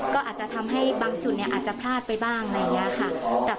ก็อาจจะทำให้บางจุดอาจจะพลาดไปบ้างอะไรอย่างนี้ค่ะ